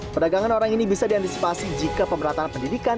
perdagangan orang ini bisa diantisipasi jika pemerataan pendidikan